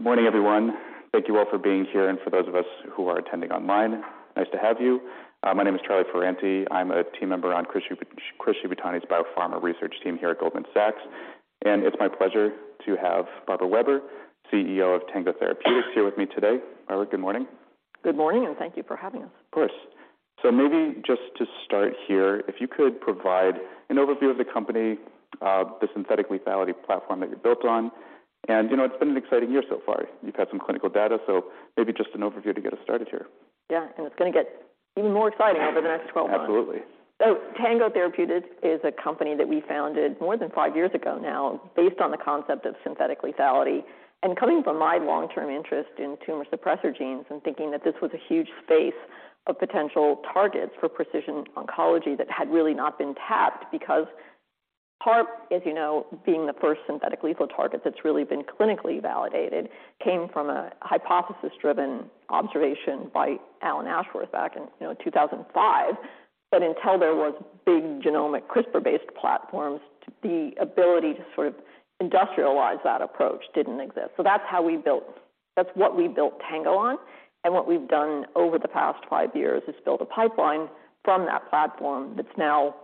Good morning, everyone. Thank you all for being here, and for those of us who are attending online, nice to have you. My name is Paul Choi. I'm a team member on Chris Shibutani's biopharma research team here at Goldman Sachs, and it's my pleasure to have Barbara Weber, CEO of Tango Therapeutics, here with me today. Barbara, good morning. Good morning, thank you for having us. Of course. Maybe just to start here, if you could provide an overview of the company, the synthetic lethality platform that you're built on, and, you know, it's been an exciting year so far. You've had some clinical data, so maybe just an overview to get us started here. Yeah, it's gonna get even more exciting over the next 12 months. Absolutely. Tango Therapeutics is a company that we founded more than 5 years ago now, based on the concept of synthetic lethality. Coming from my long-term interest in tumor suppressor genes and thinking that this was a huge space of potential targets for precision oncology that had really not been tapped. PARP, as you know, being the first synthetic lethal target that's really been clinically validated, came from a hypothesis-driven observation by Alan Ashworth back in, you know, 2005. Until there was big genomic CRISPR-based platforms, the ability to sort of industrialize that approach didn't exist. That's how we built. That's what we built Tango on, and what we've done over the past 5 years is build a pipeline from that platform that's now,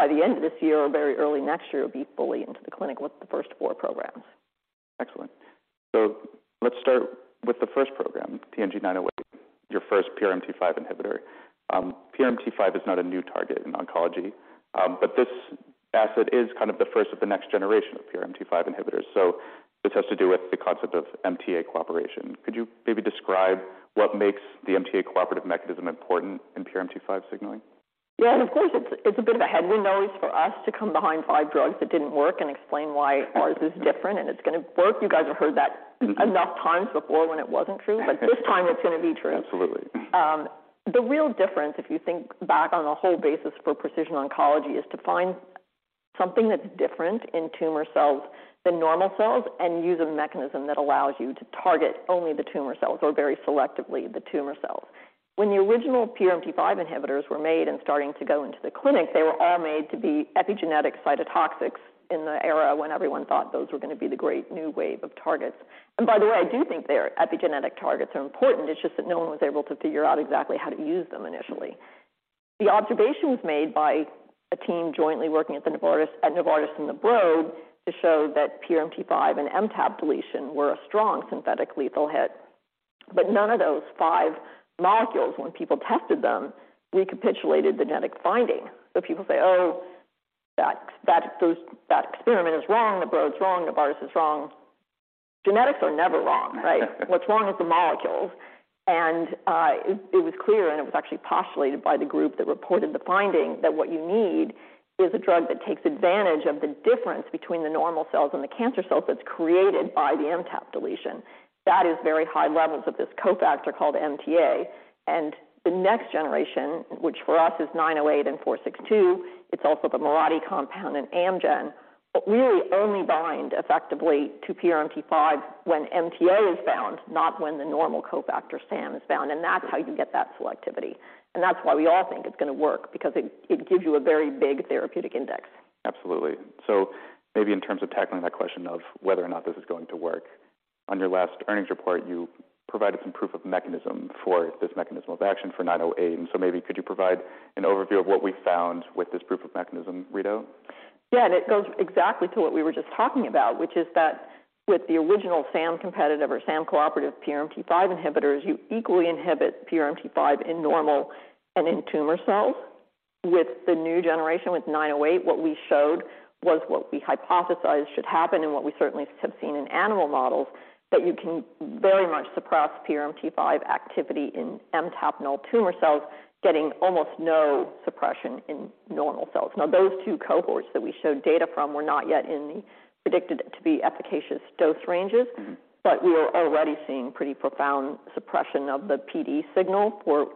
by the end of this year or very early next year, will be fully into the clinic with the first four programs. Excellent. Let's start with the first program, TNG908, your first PRMT5 inhibitor. PRMT5 is not a new target in oncology, but this asset is kind of the first of the next generation of PRMT5 inhibitors, so this has to do with the concept of MTA cooperation. Could you maybe describe what makes the MTA-cooperative mechanism important in PRMT5 signaling? Yeah, of course, it's a bit of a headwind always for us to come behind five drugs that didn't work and explain why ours is different and it's gonna work. You guys have heard that. Mm-hmm. Enough times before when it wasn't true, but this time it's gonna be true. Absolutely. The real difference, if you think back on the whole basis for precision oncology, is to find something that's different in tumor cells than normal cells and use a mechanism that allows you to target only the tumor cells, or very selectively the tumor cells. When the original PRMT5 inhibitors were made and starting to go into the clinic, they were all made to be epigenetic cytotoxics in the era when everyone thought those were going to be the great new wave of targets. By the way, I do think their epigenetic targets are important, it's just that no one was able to figure out exactly how to use them initially. The observations made by a team jointly working at Novartis and Broad to show that PRMT5 and MTAP deletion were a strong synthetic lethal hit. None of those five molecules, when people tested them, recapitulated the genetic finding. People say: Oh, that experiment is wrong, Broad is wrong, Novartis is wrong. Genetics are never wrong, right? What's wrong is the molecules. It was clear, and it was actually postulated by the group that reported the finding, that what you need is a drug that takes advantage of the difference between the normal cells and the cancer cells that's created by the MTAP deletion. That is very high levels of this cofactor called MTA, and the next generation, which for us is 908 and 462, it's also the Mirati compound in Amgen, but really only bind effectively to PRMT5 when MTA is bound, not when the normal cofactor SAM is bound, and that's how you get that selectivity. That's why we all think it's gonna work, because it gives you a very big therapeutic index. Absolutely. Maybe in terms of tackling that question of whether or not this is going to work, on your last earnings report, you provided some proof of mechanism for this mechanism of action for 908. Maybe could you provide an overview of what we found with this proof of mechanism readout? It goes exactly to what we were just talking about, which is that with the original SAM competitive or SAM cooperative PRMT5 inhibitors, you equally inhibit PRMT5 in normal and in tumor cells. With the new generation, with 908, what we showed was what we hypothesized should happen and what we certainly have seen in animal models, that you can very much suppress PRMT5 activity in MTAP-null tumor cells, getting almost no suppression in normal cells. Those two cohorts that we showed data from were not yet in the predicted to be efficacious dose ranges. Mm-hmm. We are already seeing pretty profound suppression of the PD signal for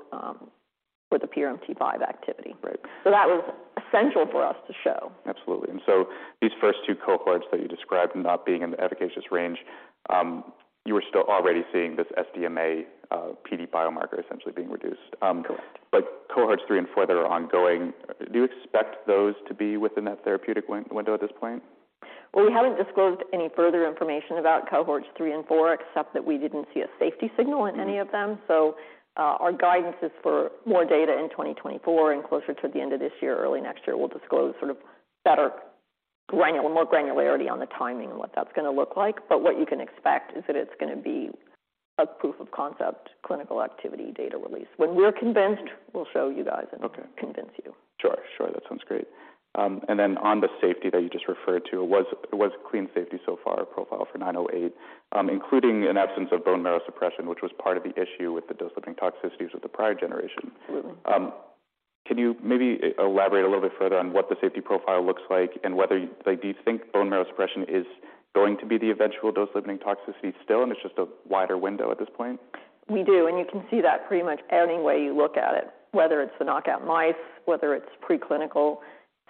the PRMT5 activity. Right. That was essential for us to show. Absolutely. These first two cohorts that you described not being in the efficacious range, you were still already seeing this SDMA PD biomarker essentially being reduced. Correct. Cohorts 3 and 4 that are ongoing, do you expect those to be within that therapeutic window at this point? Well, we haven't disclosed any further information about cohorts 3 and 4, except that we didn't see a safety signal in any of them. Mm-hmm. Our guidance is for more data in 2024 and closer to the end of this year, early next year, we'll disclose sort of better granular, more granularity on the timing and what that's gonna look like. What you can expect is that it's gonna be a proof of concept, clinical activity data release. When we're convinced, we'll show you guys. Okay. Convince you. Sure. That sounds great. On the safety that you just referred to, was clean safety so far profile for 908, including an absence of bone marrow suppression, which was part of the issue with the dose-limiting toxicities of the prior generation. Mm-hmm. Can you maybe elaborate a little bit further on what the safety profile looks like and whether, like, do you think bone marrow suppression is going to be the eventual dose-limiting toxicity still, and it's just a wider window at this point? We do, you can see that pretty much any way you look at it, whether it's the knockout mice, whether it's preclinical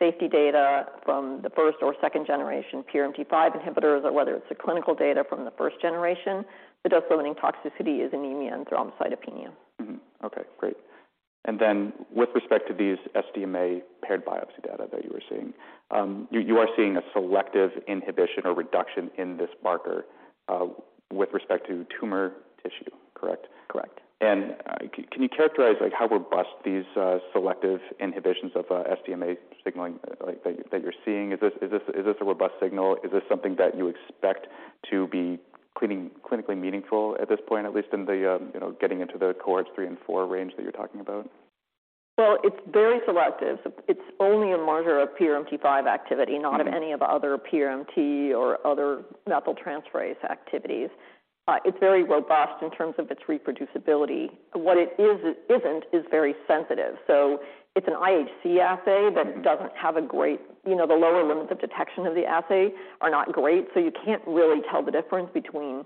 safety data from the first or second generation PRMT5 inhibitors, or whether it's the clinical data from the first generation, the dose-limiting toxicity is anemia and thrombocytopenia. Mm-hmm. Okay, great. With respect to these SDMA paired biopsy data that you were seeing, you are seeing a selective inhibition or reduction in this marker with respect to tumor tissue, correct? Correct. Can you characterize, like, how robust these selective inhibitions of SDMA signaling, like, that you're seeing? Is this a robust signal? Is this something that you expect to be clinically meaningful at this point, at least in the, you know, getting into the cohorts 3 and 4 range that you're talking about? Well, it's very selective. It's only a marker of PRMT5 activity. Mm-hmm. Not of any of other PRMT or other methyltransferase activities. It's very robust in terms of its reproducibility. What it is, isn't, is very sensitive. It's an IHC assay. Mm-hmm. That doesn't have a great... You know, the lower limits of detection of the assay are not great, so you can't really tell the difference between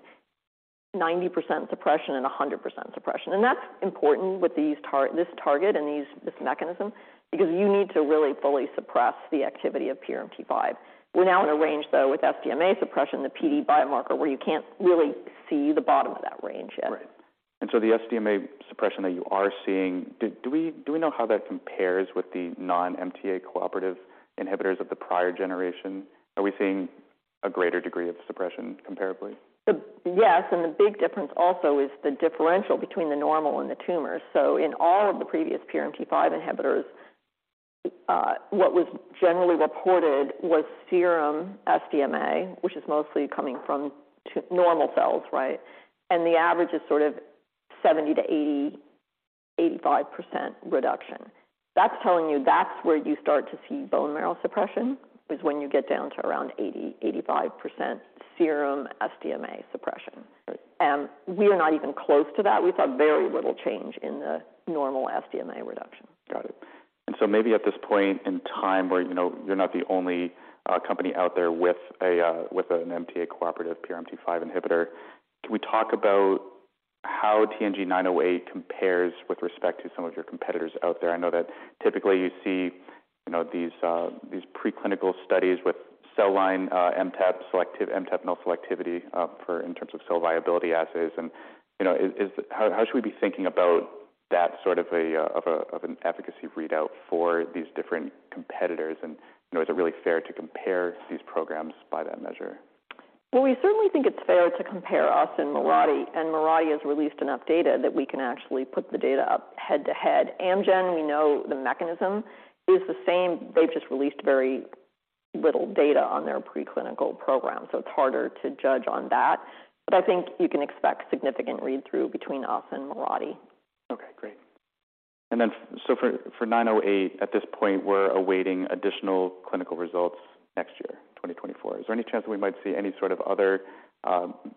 90% suppression and 100% suppression. That's important with this target and this mechanism, because you need to really fully suppress the activity of PRMT5. We're now in a range, though, with SDMA suppression, the PD biomarker, where you can't really see the bottom of that range yet. Right. The SDMA suppression that you are seeing, do we know how that compares with the non-MTA-cooperative inhibitors of the prior generation? Are we seeing a greater degree of suppression comparably? Yes, the big difference also is the differential between the normal and the tumor. In all of the previous PRMT5 inhibitors, what was generally reported was serum SDMA, which is mostly coming from normal cells, right? The average is sort of 70% to 80%, 85% reduction. That's telling you that's where you start to see bone marrow suppression, is when you get down to around 80%, 85% serum SDMA suppression. Right. We are not even close to that. We saw very little change in the normal SDMA reduction. Got it. Maybe at this point in time where, you know, you're not the only company out there with an MTA-cooperative PRMT5 inhibitor, can we talk about how TNG908 compares with respect to some of your competitors out there? I know that typically you see, you know, these preclinical studies with cell line MTAP selectivity, MTAP-null selectivity for in terms of cell viability assays. You know, how should we be thinking about that sort of an efficacy readout for these different competitors? You know, is it really fair to compare these programs by that measure? Well, we certainly think it's fair to compare us and Mirati. Mm-hmm. Mirati has released enough data that we can actually put the data up head-to-head. Amgen, we know the mechanism is the same. They've just released very little data on their preclinical program, so it's harder to judge on that. I think you can expect significant read-through between us and Mirati. Okay, great. For 908, at this point, we're awaiting additional clinical results next year, 2024. Is there any chance that we might see any sort of other,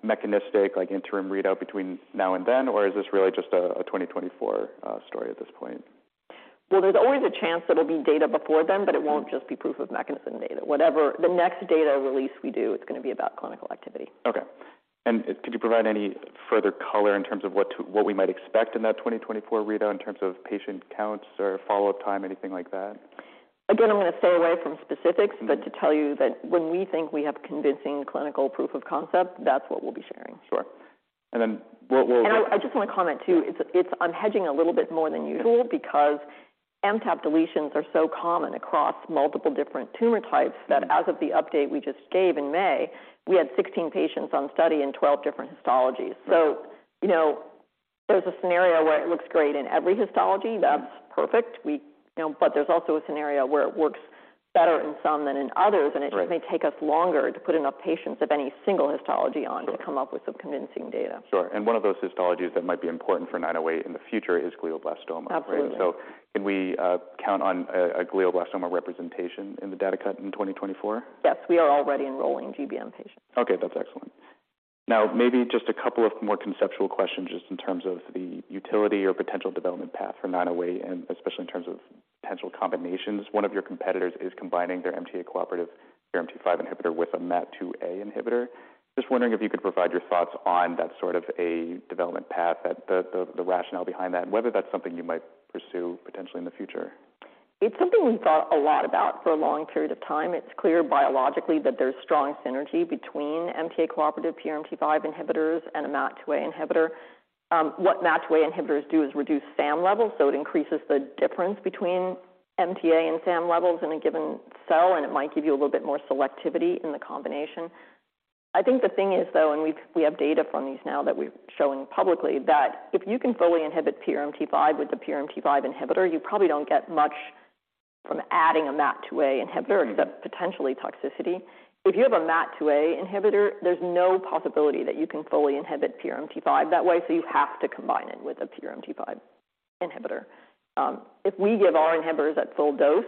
mechanistic, like interim readout between now and then? Is this really just a 2024 story at this point? Well, there's always a chance that it'll be data before then. Mm-hmm. It won't just be proof of mechanism data. Whatever the next data release we do, it's going to be about clinical activity. Okay. Could you provide any further color in terms of what to, what we might expect in that 2024 readout in terms of patient counts or follow-up time, anything like that? Again, I'm gonna stay away from specifics. Mm-hmm. To tell you that when we think we have convincing clinical proof of concept, that's what we'll be sharing. Sure. Then what? I just want to comment, too. Yeah. It's, I'm hedging a little bit more than usual. Mm-hmm. Because MTAP deletions are so common across multiple different tumor types. Mm-hmm. As of the update we just gave in May, we had 16 patients on study in 12 different histologies. Right. You know, there's a scenario where it looks great in every histology, that's perfect. We, you know, there's also a scenario where it works better in some than in others. Right. It just may take us longer to put enough patients of any single histology on. Sure To come up with some convincing data. Sure. One of those histologies that might be important for TNG908 in the future is glioblastoma. Absolutely. Can we count on a glioblastoma representation in the data cut in 2024? Yes, we are already enrolling GBM patients. Okay, that's excellent. Maybe just a couple of more conceptual questions just in terms of the utility or potential development path for 908, and especially in terms of potential combinations. One of your competitors is combining their MTA-cooperative PRMT5 inhibitor with a MAT2A inhibitor. Just wondering if you could provide your thoughts on that sort of a development path, the rationale behind that, and whether that's something you might pursue potentially in the future. It's something we've thought a lot about for a long period of time. It's clear biologically that there's strong synergy between MTA-cooperative PRMT5 inhibitors and a MAT2A inhibitor. What MAT2A inhibitors do is reduce SAM levels, so it increases the difference between MTA and SAM levels in a given cell, and it might give you a little bit more selectivity in the combination. I think the thing is, though, and we have data from these now that we're showing publicly, that if you can fully inhibit PRMT5 with a PRMT5 inhibitor, you probably don't get much from adding a MAT2A inhibitor. Mm-hmm Except potentially toxicity. If you have a MAT2A inhibitor, there's no possibility that you can fully inhibit PRMT5 that way, so you have to combine it with a PRMT5 inhibitor. If we give our inhibitors at full dose,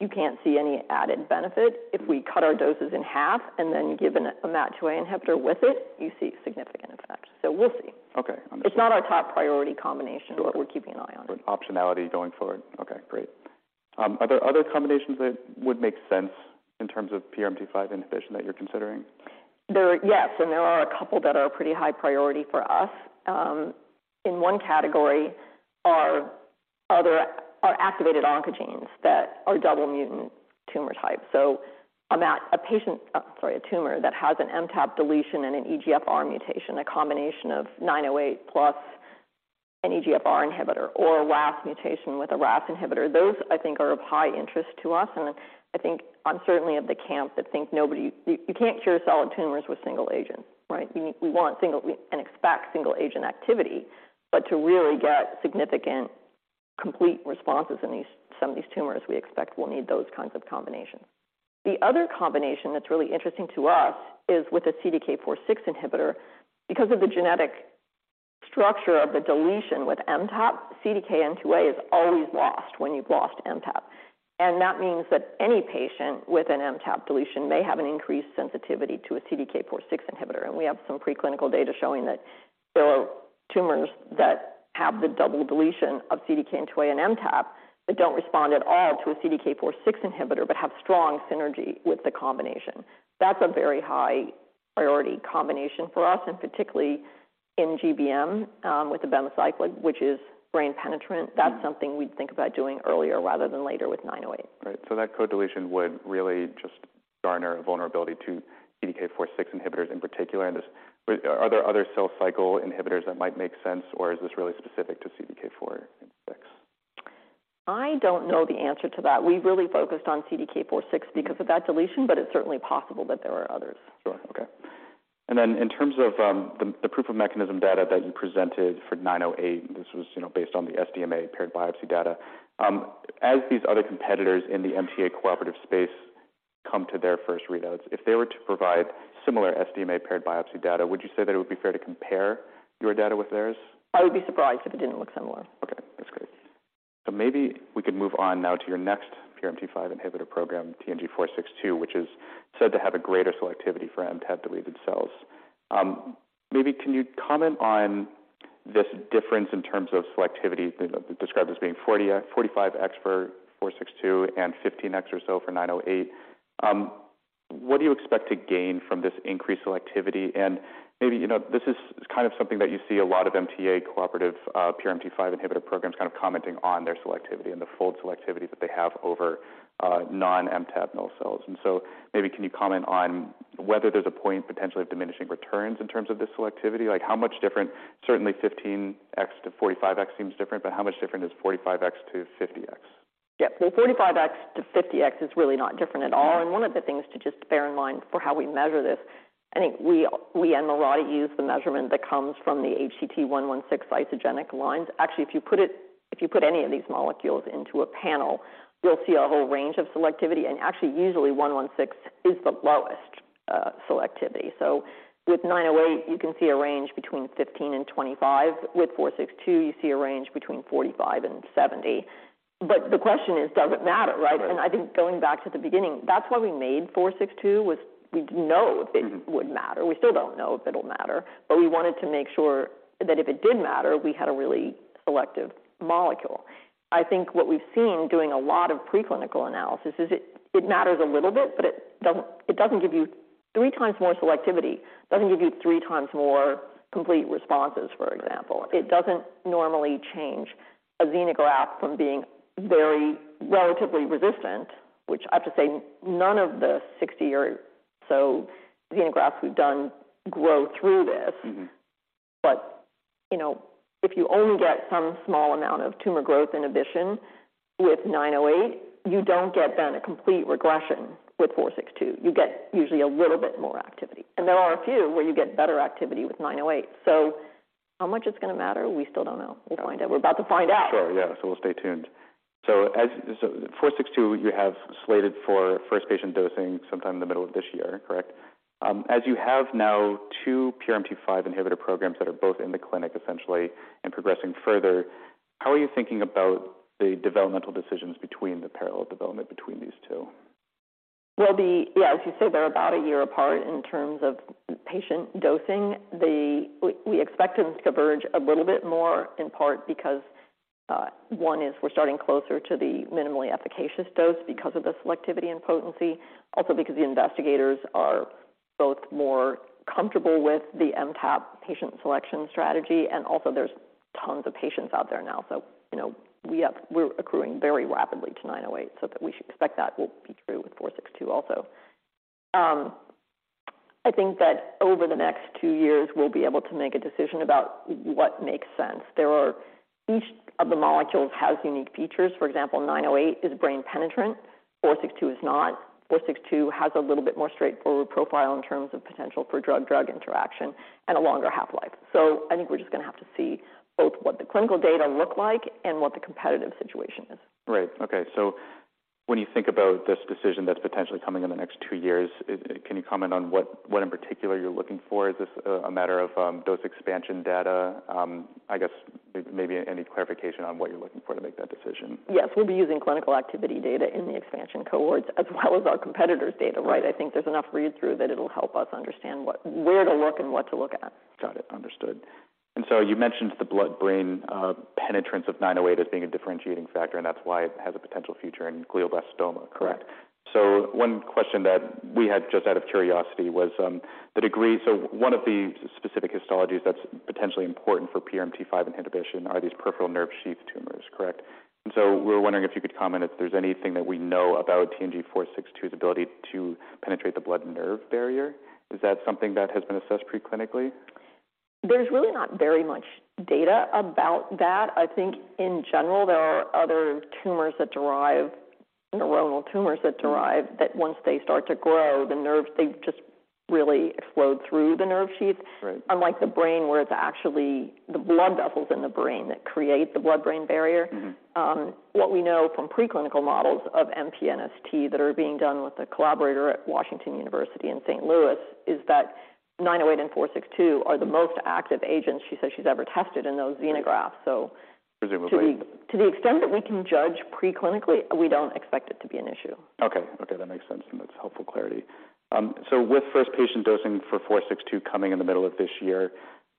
you can't see any added benefit. Mm-hmm. If we cut our doses in half and then give a MAT2A inhibitor with it, you see significant effect. We'll see. Okay, understood. It's not our top priority combination. Sure We're keeping an eye on it. Optionality going forward. Okay, great. Are there other combinations that would make sense in terms of PRMT5 inhibition that you're considering? Yes, there are a couple that are pretty high priority for us. In one category are activated oncogenes that are double mutant tumor types. A tumor that has an MTAP deletion and an EGFR mutation, a combination of TNG908 plus an EGFR inhibitor or a RAS mutation with a RAS inhibitor, those I think are of high interest to us. I think I'm certainly of the camp that think You can't cure solid tumors with single agent, right? We want single and expect single agent activity, but to really get significant complete responses in these, some of these tumors, we expect we'll need those kinds of combinations. The other combination that's really interesting to us is with a CDK4/6 inhibitor. Because of the genetic structure of the deletion with MTAP, CDKN2A is always lost when you've lost MTAP. That means that any patient with an MTAP deletion may have an increased sensitivity to a CDK4/6 inhibitor, and we have some preclinical data showing that there are tumors that have the double deletion of CDKN2A and MTAP that don't respond at all to a CDK4/6 inhibitor, but have strong synergy with the combination. That's a very high priority combination for us, and particularly in GBM, with abemaciclib, which is brain-penetrant. That's something we'd think about doing earlier rather than later with 908. Right. That code deletion would really just garner a vulnerability to CDK4/6 inhibitors in particular. This, are there other cell cycle inhibitors that might make sense, or is this really specific to CDK4/6? I don't know the answer to that. We really focused on CDK4/6 because of that deletion. It's certainly possible that there are others. Sure. Okay. In terms of the proof of mechanism data that you presented for TNG908, this was, you know, based on the SDMA paired biopsy data. As these other competitors in the MTA-cooperative space come to their first readouts, if they were to provide similar SDMA paired biopsy data, would you say that it would be fair to compare your data with theirs? I would be surprised if it didn't look similar. That's great. Maybe we could move on now to your next PRMT5 inhibitor program, TNG462, which is said to have a greater selectivity for MTAP-deleted cells. Maybe can you comment on this difference in terms of selectivity, described as being 40x, 45x for TNG462 and 15x or so for TNG908. What do you expect to gain from this increased selectivity? Maybe, you know, this is kind of something that you see a lot of MTA-cooperative PRMT5 inhibitor programs kind of commenting on their selectivity and the full selectivity that they have over non-MTAP-null cells. Maybe can you comment on whether there's a point potentially of diminishing returns in terms of this selectivity? Like, how much certainly 15x-45x seems different, but how much different is 45x-50x? Yeah. Well, 45x-50x is really not different at all. Right. One of the things to just bear in mind for how we measure this, I think we and Mirati use the measurement that comes from the HCT116 isogenic lines. Actually, if you put any of these molecules into a panel, you'll see a whole range of selectivity, and actually, usually, 116 is the lowest selectivity. With 908, you can see a range between 15 and 25. With 462, you see a range between 45 and 70. The question is, does it matter, right? Right. I think going back to the beginning, that's why we made 462, was we didn't know. Mm-hmm. If it would matter. We still don't know if it'll matter, we wanted to make sure that if it did matter, we had a really selective molecule. I think what we've seen doing a lot of preclinical analysis is it matters a little bit, it doesn't give you three times more selectivity. It doesn't give you three times more complete responses, for example. Right. It doesn't normally change a xenograft from being very relatively resistant, which I have to say, none of the 60 or so xenografts we've done grow through this. Mm-hmm. You know, if you only get some small amount of tumor growth inhibition with TNG908, you don't get then a complete regression with TNG462. You get usually a little bit more activity, and there are a few where you get better activity with TNG908. How much it's gonna matter? We still don't know. Right. We'll find out. We're about to find out. Sure. Yeah. We'll stay tuned. TNG462, you have slated for first patient dosing sometime in the middle of this year, correct? As you have now 2 PRMT5 inhibitor programs that are both in the clinic essentially and progressing further, how are you thinking about the developmental decisions between the parallel development between these two? Well, yeah, as you say, they're about 1 year apart in terms of patient dosing. We expect them to converge a little bit more, in part because one is we're starting closer to the minimally efficacious dose because of the selectivity and potency, also because the investigators are both more comfortable with the MTAP patient selection strategy, and also there's tons of patients out there now. You know, we're accruing very rapidly to TNG908, so that we should expect that will be true with TNG462 also. I think that over the next 2 years, we'll be able to make a decision about what makes sense. There are, each of the molecules has unique features. For example, TNG908 is brain penetrant, TNG462 is not. 462 has a little bit more straightforward profile in terms of potential for drug-drug interaction and a longer half-life. I think we're just gonna have to see both what the clinical data look like and what the competitive situation is. Right. Okay. When you think about this decision that's potentially coming in the next two years, can you comment on what in particular you're looking for? Is this a matter of dose expansion data? I guess maybe any clarification on what you're looking for to make that decision? Yes, we'll be using clinical activity data in the expansion cohorts, as well as our competitors' data, right? Right. I think there's enough read-through that it'll help us understand what, where to look and what to look at. Got it. Understood. You mentioned the blood-brain penetrance of TNG908 as being a differentiating factor, and that's why it has a potential future in glioblastoma, correct? One question that we had, just out of curiosity, was. One of the specific histologies that's potentially important for PRMT5 inhibition are these peripheral nerve sheath tumors, correct? We were wondering if you could comment, if there's anything that we know about TNG462's ability to penetrate the blood-nerve barrier. Is that something that has been assessed preclinically? There's really not very much data about that. I think in general, there are other tumors that derive, neuronal tumors that derive, that once they start to grow, the nerves, they just really flow through the nerve sheath. Right. Unlike the brain, where it's actually the blood vessels in the brain that create the blood-brain barrier. Mm-hmm. What we know from preclinical models of MPNST that are being done with a collaborator at Washington University in St. Louis is that 908 and 462 are the most active agents she says she's ever tested in those xenografts. Presumably. To the extent that we can judge preclinically, we don't expect it to be an issue. Okay. Okay, that makes sense, and that's helpful clarity. With first patient dosing for 462 coming in the middle of this year,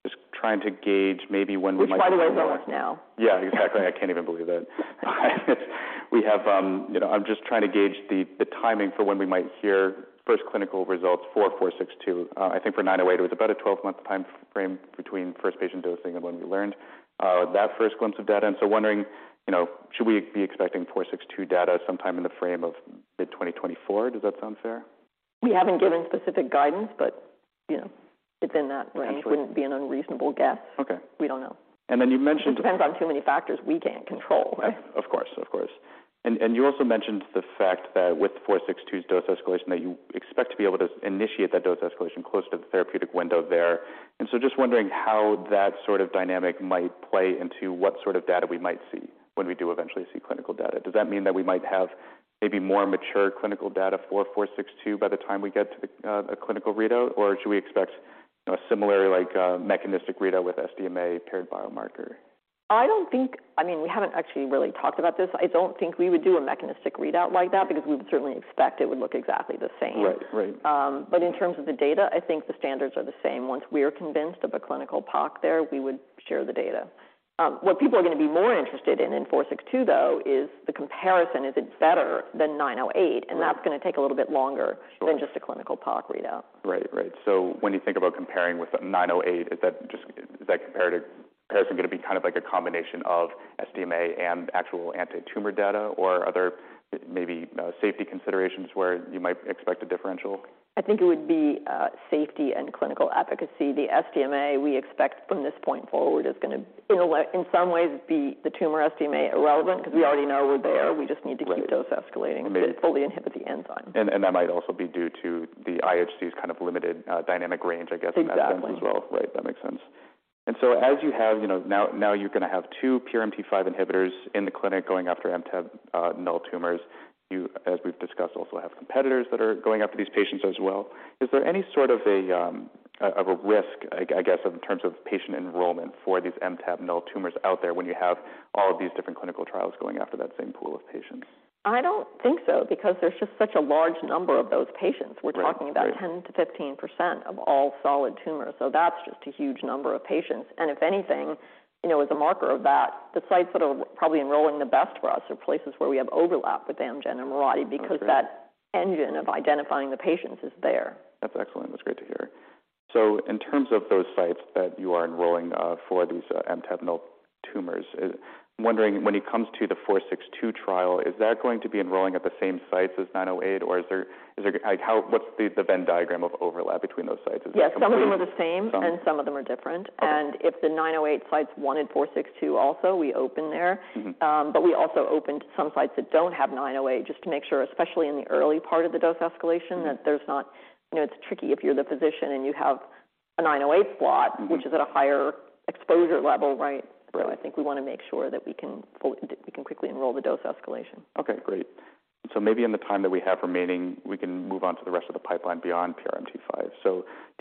just trying to gauge maybe when we. Which, by the way, is out now. Yeah, exactly. I can't even believe it. We have, you know, I'm just trying to gauge the timing for when we might hear first clinical results for 462. I think for 908, it was about a 12-month timeframe between first patient dosing and when we learned that first glimpse of data. Wondering, you know, should we be expecting 462 data sometime in the frame of mid-2024? Does that sound fair? We haven't given specific guidance, but, you know, it's in that range. Okay. It wouldn't be an unreasonable guess. Okay. We don't know. You mentioned. It depends on too many factors we can't control. Of course, of course. You also mentioned the fact that with 462's dose escalation, that you expect to be able to initiate that dose escalation close to the therapeutic window there. Just wondering how that sort of dynamic might play into what sort of data we might see when we do eventually see clinical data? Does that mean that we might have maybe more mature clinical data for 462 by the time we get to a clinical readout? Or should we expect, you know, a similar, like, mechanistic readout with SDMA paired biomarker? I mean, we haven't actually really talked about this. I don't think we would do a mechanistic readout like that because we would certainly expect it would look exactly the same. Right. Right. In terms of the data, I think the standards are the same. Once we are convinced of a clinical POC there, we would share the data. What people are gonna be more interested in 462, though, is the comparison, is it better than 908? Right. That's gonna take a little bit longer. Sure Than just a clinical POC readout. Right. Right. When you think about comparing with 908, is that comparative, comparison gonna be kind of like a combination of SDMA and actual anti-tumor data, or are there maybe safety considerations where you might expect a differential? I think it would be safety and clinical efficacy. The SDMA, we expect from this point forward, is gonna in a way, in some ways, be the tumor SDMA irrelevant. Mm-hmm Because we already know we're there. Right. We just need to keep dose escalating to fully inhibit the enzyme. That might also be due to the IHC's kind of limited, dynamic range, I guess. Exactly As well. Right, that makes sense. As you have, you know, now you're gonna have 2 PRMT5 inhibitors in the clinic going after MTAP-null tumors. You, as we've discussed, also have competitors that are going after these patients as well. Is there any sort of a risk, I guess, in terms of patient enrollment for these MTAP-null tumors out there when you have all of these different clinical trials going after that same pool of patients? I don't think so, because there's just such a large number of those patients. Right. Right. We're talking about 10%-15% of all solid tumors, so that's just a huge number of patients. If anything, you know, as a marker of that, the sites that are probably enrolling the best for us are places where we have overlap with Amgen and Mirati. Okay Because that engine of identifying the patients is there. That's excellent. That's great to hear. In terms of those sites that you are enrolling, for these MTAP-null tumors, I'm wondering when it comes to the 462 trial, is that going to be enrolling at the same sites as 908, or Is there, like, how, what's the Venn diagram of overlap between those sites? Yes, some of them are the same. Some. Some of them are different. Okay. If the TNG908 sites wanted TNG462 also, we open there. Mm-hmm. We also opened some sites that don't have TNG908, just to make sure, especially in the early part of the dose escalation. Mm-hmm That there's not, you know, it's tricky if you're the physician and you have a TNG908 slot. Mm-hmm Which is at a higher exposure level, right? Sure. I think we want to make sure that we can quickly enroll the dose escalation. Great. Maybe in the time that we have remaining, we can move on to the rest of the pipeline beyond PRMT5.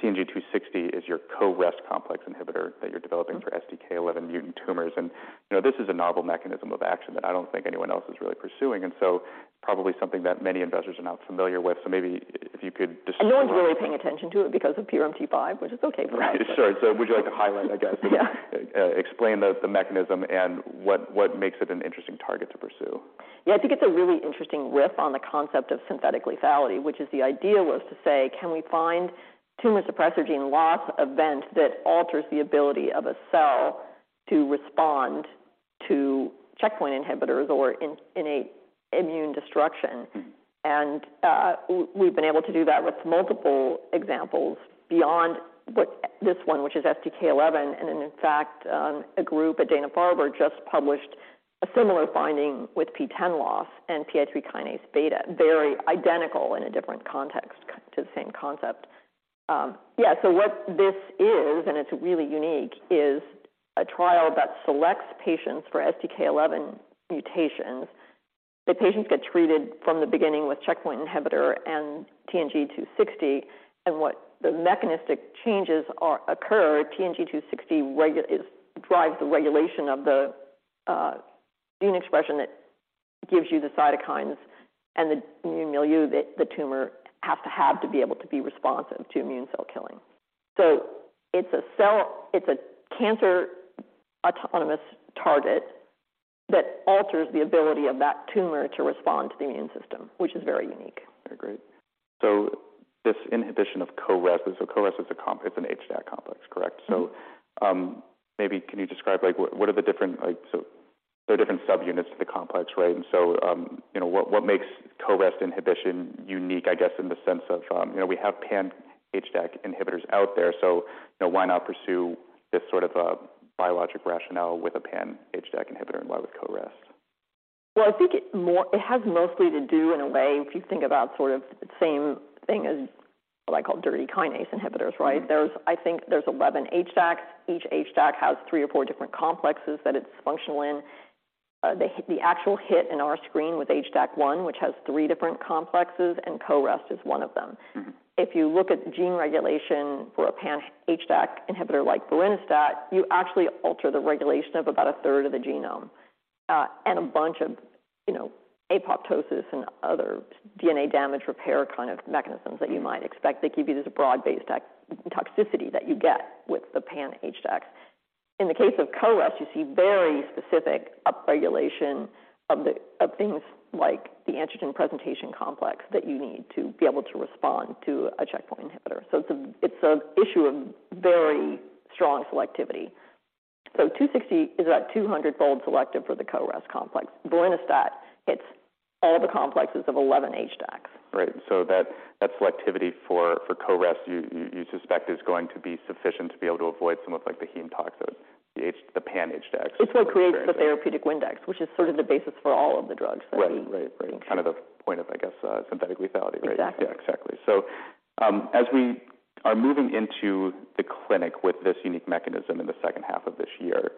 TNG260 is your CoREST complex inhibitor that you're developing. Mm-hmm For STK11 mutant tumors. You know, this is a novel mechanism of action that I don't think anyone else is really pursuing. Probably something that many investors are not familiar with. Maybe if you could just- No one's really paying attention to it because of PRMT5, which is okay for us. Sure. Would you like to highlight, I guess? Yeah. Explain the mechanism and what makes it an interesting target to pursue? I think it's a really interesting riff on the concept of synthetic lethality, which is the idea was to say. Can we find tumor suppressor gene loss event that alters the ability of a cell to respond to checkpoint inhibitors or in a immune destruction? Mm-hmm. We've been able to do that with multiple examples beyond what, this one, which is STK11, and in fact, a group at Dana-Farber just published a similar finding with PTEN loss and PI3Kβ. Very identical in a different context to the same concept. yeah, what this is, and it's really unique, is a trial that selects patients for STK11 mutations. The patients get treated from the beginning with checkpoint inhibitor and TNG260, and what the mechanistic changes are occur, TNG260 drives the regulation of the gene expression that gives you the cytokines and the immune milieu that the tumor have to be able to be responsive to immune cell killing. It's a cell, it's a cancer autonomous target that alters the ability of that tumor to respond to the immune system, which is very unique. Very great. This inhibition of CoREST, so CoREST is an HDAC complex, correct? Mm-hmm. Maybe can you describe what are the different so there are different subunits to the complex, right? You know, what makes CoREST inhibition unique, I guess, in the sense of, you know, we have pan-HDAC inhibitors out there, so, you know, why not pursue this sort of a biologic rationale with a pan-HDAC inhibitor, and why with CoREST? Well, I think it has mostly to do in a way, if you think about sort of the same thing as what I call dirty kinase inhibitors, right? Mm-hmm. There's, I think there's 11 HDAC. Each HDAC has 3 or 4 different complexes that it's functional in. The actual hit in our screen with HDAC1, which has 3 different complexes, and CoREST is 1 of them. Mm-hmm. If you look at gene regulation for a pan-HDAC inhibitor like vorinostat, you actually alter the regulation of about a 3rd of the genome, and a bunch of, you know, apoptosis and other DNA damage repair kind of mechanisms that you might expect. They give you this broad-based toxicity that you get with the pan-HDACs. In the case of CoREST, you see very specific upregulation of things like the antigen presentation complex that you need to be able to respond to a checkpoint inhibitor. It's an issue of very strong selectivity. 260 is about 200-fold selective for the CoREST complex. Vorinostat hits all the complexes of 11 HDACs. That selectivity for CoREST, you suspect is going to be sufficient to be able to avoid some of, like, the heme toxic, the pan-HDACs. It's what creates the therapeutic index, which is sort of the basis for all of the drugs. Right. Right. Bring. Kind of the point of, I guess, synthetic lethality, right? Exactly. Yeah, exactly. As we are moving into the clinic with this unique mechanism in the second half of this year,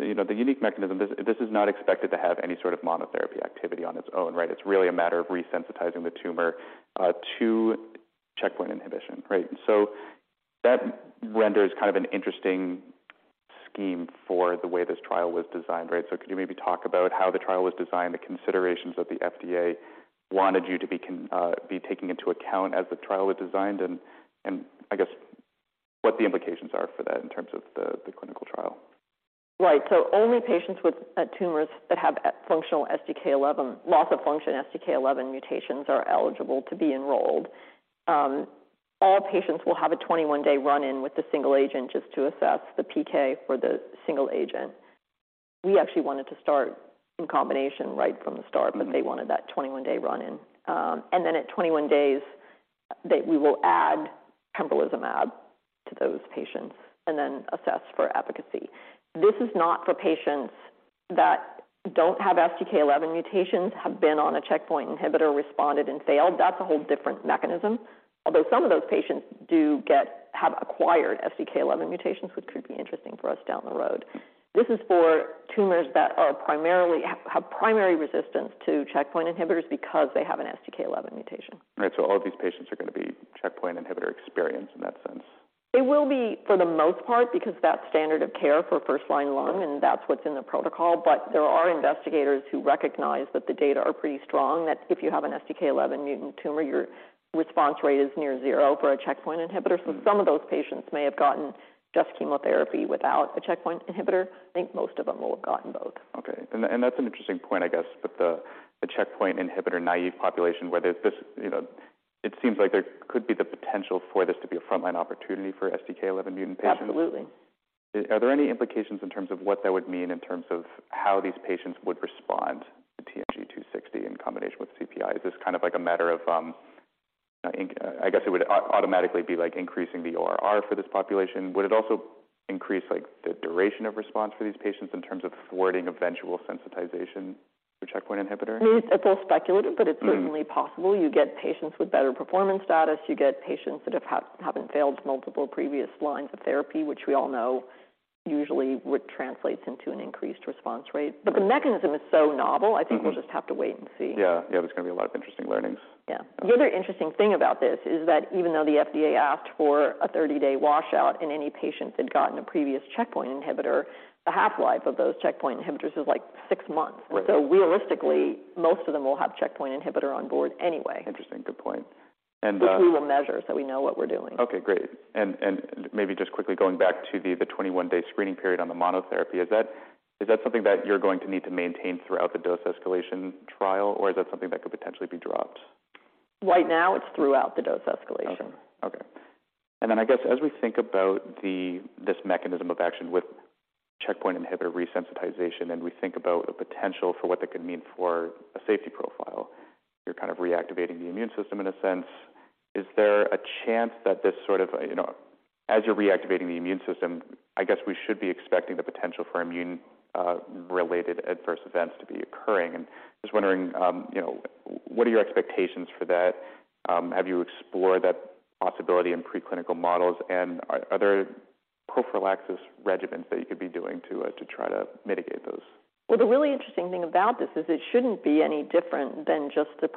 you know, the unique mechanism, this is not expected to have any sort of monotherapy activity on its own, right? It's really a matter of resensitizing the tumor to checkpoint inhibition, right? That renders kind of an interesting scheme for the way this trial was designed, right? Could you maybe talk about how the trial was designed, the considerations that the FDA wanted you to be taking into account as the trial was designed, and I guess, what the implications are for that in terms of the clinical trial? Only patients with tumors that have functional STK11, loss of function STK11 mutations are eligible to be enrolled. All patients will have a 21-day run-in with the single agent just to assess the PK for the single agent. We actually wanted to start in combination right from the start. Mm-hmm. They wanted that 21-day run-in. And then at 21 days, we will add pembrolizumab to those patients and then assess for efficacy. This is not for patients that don't have STK11 mutations, have been on a checkpoint inhibitor, responded and failed. That's a whole different mechanism. Some of those patients have acquired STK11 mutations, which could be interesting for us down the road. This is for tumors that are primarily, have primary resistance to checkpoint inhibitors because they have an STK11 mutation. Right. All of these patients are gonna be checkpoint inhibitor experienced in that sense. They will be, for the most part, because that's standard of care for first-line lung. Mm-hmm. That's what's in the protocol. There are investigators who recognize that the data are pretty strong, that if you have an STK11 mutant tumor, your response rate is near 0 for a checkpoint inhibitor. Mm-hmm. Some of those patients may have gotten just chemotherapy without the checkpoint inhibitor. I think most of them will have gotten both. Okay. That's an interesting point, I guess, but the checkpoint inhibitor-naive population, whether this. You know, it seems like there could be the potential for this to be a frontline opportunity for STK11 mutant patients. Absolutely. Are there any implications in terms of what that would mean in terms of how these patients would respond to TNG260 in combination with CPI? Is this kind of like a matter of, I guess it would automatically be, like, increasing the ORR for this population? Would it also increase, like, the duration of response for these patients in terms of thwarting eventual sensitization to checkpoint inhibitor? It's all speculative. Mm. It's certainly possible. You get patients with better performance status. You get patients that haven't failed multiple previous lines of therapy, which we all know usually what translates into an increased response rate. Right. The mechanism is so novel. Mm-hmm. I think we'll just have to wait and see. Yeah. Yeah, there's gonna be a lot of interesting learnings. Yeah. Okay. The other interesting thing about this is that even though the FDA asked for a 30-day washout in any patients that gotten a previous checkpoint inhibitor, the half-life of those checkpoint inhibitors is, like, 6 months. Right. So realistically. Mm Most of them will have checkpoint inhibitor on board anyway. Interesting. Good point. Which we will measure, so we know what we're doing. Okay, great. Maybe just quickly going back to the 21-day screening period on the monotherapy, is that something that you're going to need to maintain throughout the dose escalation trial, or is that something that could potentially be dropped? Right now, it's throughout the dose escalation. Okay. Okay. I guess as we think about this mechanism of action with checkpoint inhibitor resensitization, and we think about the potential for what that could mean for a safety profile, you're kind of reactivating the immune system in a sense. Is there a chance that this sort of, you know, as you're reactivating the immune system, I guess we should be expecting the potential for immune related adverse events to be occurring? Just wondering, you know, what are your expectations for that? Have you explored that possibility in preclinical models, and are there prophylaxis regimens that you could be doing to try to mitigate those? Well, the really interesting thing about this is it shouldn't be any different than just the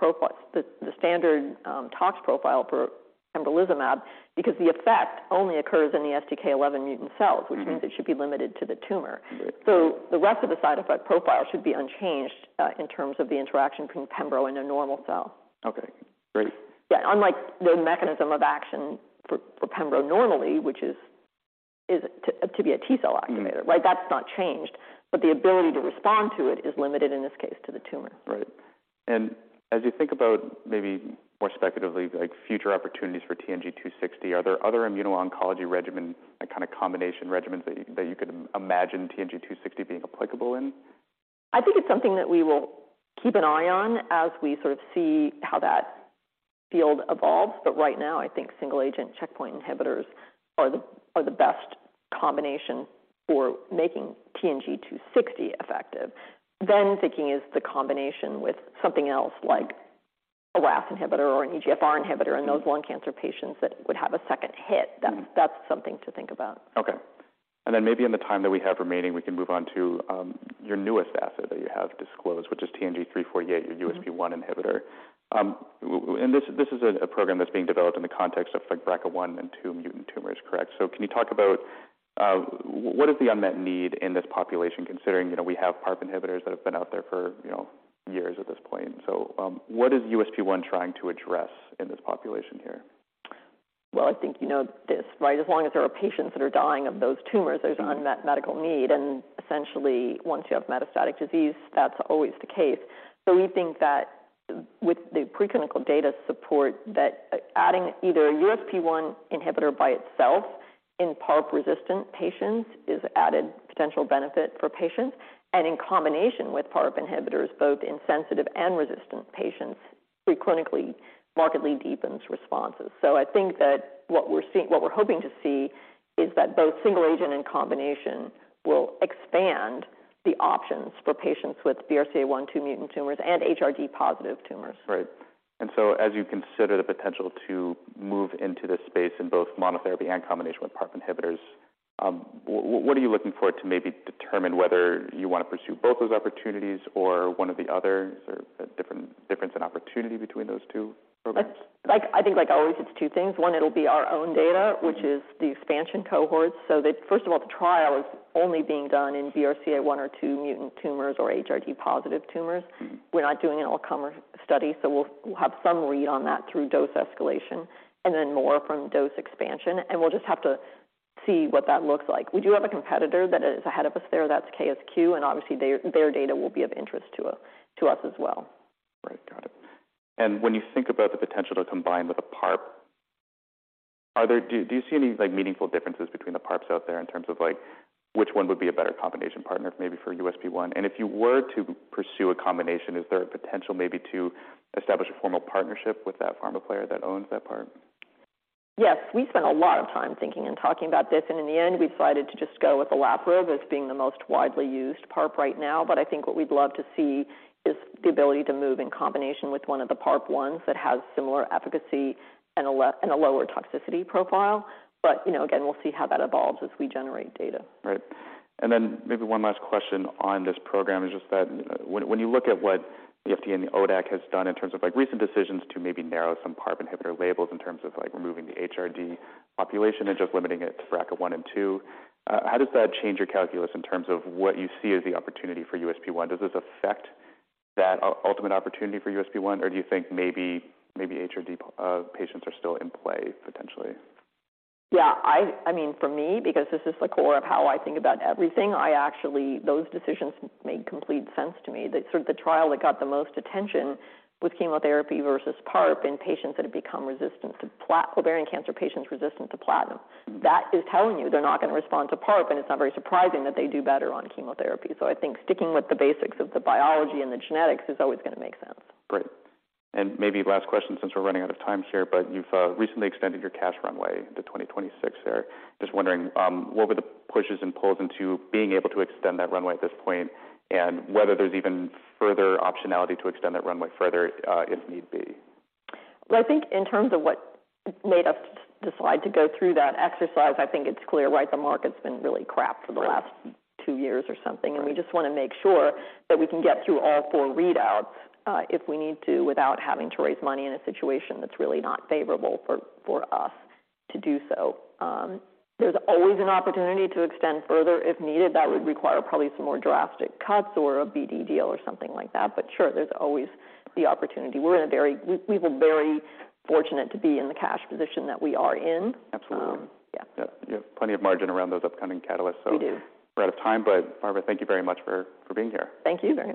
standard, tox profile for pembrolizumab, because the effect only occurs in the STK11 mutant cells. Mm-hmm. Which means it should be limited to the tumor. Right. The rest of the side effect profile should be unchanged, in terms of the interaction between pembro and a normal cell. Okay. Great. Yeah. Unlike the mechanism of action for pembro normally, which is to be a T cell activator. Mm-hmm. Right? That's not changed, but the ability to respond to it is limited, in this case, to the tumor. Right. As you think about maybe more speculatively, like, future opportunities for TNG260, are there other immuno-oncology regimen, like, kind of combination regimens that you could imagine TNG260 being applicable in? I think it's something that we will keep an eye on as we sort of see how that field evolves. Right now, I think single-agent checkpoint inhibitors are the best combination for making TNG260 effective. Thinking is the combination with something else, like a RAF inhibitor or an EGFR inhibitor. Mm-hmm. In those lung cancer patients that would have a second hit. Mm-hmm. That's something to think about. Okay. Maybe in the time that we have remaining, we can move on to, your newest asset that you have disclosed, which is TNG348. Mm-hmm. Your USP1 inhibitor. And this is a program that's being developed in the context of, like, BRCA1 and 2 mutant tumors, correct? Can you talk about what is the unmet need in this population, considering, you know, we have PARP inhibitors that have been out there for, you know, years at this point. What is USP1 trying to address in this population here? Well, I think you know this, right? As long as there are patients that are dying of those tumors. Mm-hmm. There's unmet medical need, and essentially, once you have metastatic disease, that's always the case. We think that with the preclinical data support, that adding either a USP1 inhibitor by itself in PARP-resistant patients is added potential benefit for patients, and in combination with PARP inhibitors, both in sensitive and resistant patients, preclinically markedly deepens responses. I think that what we're hoping to see is that both single agent and combination will expand the options for patients with BRCA1/2 mutant tumors and HRD-positive tumors. Right. As you consider the potential to move into this space in both monotherapy and combination with PARP inhibitors, what are you looking for to maybe determine whether you want to pursue both those opportunities or one of the other? Is there a different, difference in opportunity between those two programs? Like, I think, like always, it's two things. One, it'll be our own data. Mm-hmm. Which is the expansion cohorts. first of all, the trial is only being done in BRCA one or two mutant tumors or HRD-positive tumors. Mm-hmm. We're not doing an all-comer study. We'll have some read on that through dose escalation and then more from dose expansion. We'll just have to see what that looks like. We do have a competitor that is ahead of us there, that's KSQ. Obviously their data will be of interest to us as well. Right. Got it. When you think about the potential to combine with a PARP, do you see any, like, meaningful differences between the PARPs out there in terms of, like, which one would be a better combination partner, maybe for USP1? If you were to pursue a combination, is there a potential maybe to establish a formal partnership with that pharma player that owns that PARP? We spent a lot of time thinking and talking about this, and in the end, we decided to just go with olaparib as being the most widely used PARP right now. I think what we'd love to see is the ability to move in combination with one of the PARP ones that has similar efficacy and a lower toxicity profile. You know, again, we'll see how that evolves as we generate data. Right. Maybe one last question on this program is just that, when you look at what the FDA and the ODAC has done in terms of, like, recent decisions to maybe narrow some PARP inhibitor labels, in terms of, like, removing the HRD population and just limiting it to BRCA1 and 2, how does that change your calculus in terms of what you see as the opportunity for USP1? Does this affect that ultimate opportunity for USP1, or do you think maybe HRD patients are still in play, potentially? I mean, for me, because this is the core of how I think about everything, I actually, those decisions made complete sense to me. The sort of the trial that got the most attention with chemotherapy versus PARP in patients that have become resistant, ovarian cancer patients resistant to platinum. That is telling you they're not going to respond to PARP, and it's not very surprising that they do better on chemotherapy. I think sticking with the basics of the biology and the genetics is always going to make sense. Great. Maybe last question, since we're running out of time here, but you've recently extended your cash runway to 2026 there. Just wondering what were the pushes and pulls into being able to extend that runway at this point, and whether there's even further optionality to extend that runway further, if need be? Well, I think in terms of what made us decide to go through that exercise, I think it's clear, right? The market's been really crap. Right. For the last 2 years or something. Right. We just want to make sure that we can get through all four readouts, if we need to, without having to raise money in a situation that's really not favorable for us to do so. There's always an opportunity to extend further if needed. That would require probably some more drastic cuts or a BD deal or something like that. Sure, there's always the opportunity. We feel very fortunate to be in the cash position that we are in. Absolutely. Yeah. Yeah. You have plenty of margin around those upcoming catalysts. We do. We're out of time, Barbara, thank you very much for being here. Thank you very much.